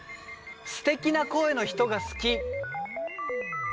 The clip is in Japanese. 「すてきな声の人が好き」。